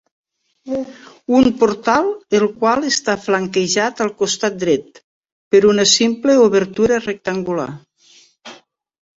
Un portal el qual està flanquejat al costat dret, per una simple obertura rectangular.